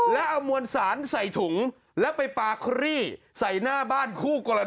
แล้วเอามวลสารใส่ถุงแล้วไปปาครี่ใส่หน้าบ้านคู่กรณี